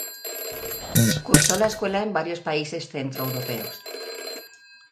Cursó la escuela en varios países centroeuropeos.